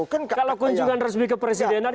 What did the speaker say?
kalau kunjungan resmi ke presidenan